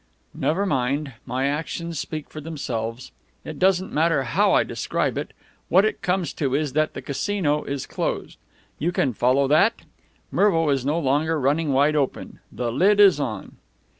"Never mind. My actions speak for themselves. It doesn't matter how I describe it what it comes to is that the Casino is closed. You can follow that? Mervo is no longer running wide open. The lid is on."